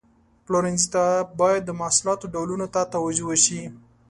پلورنځي ته باید د محصولاتو ډولونو ته توجه وشي.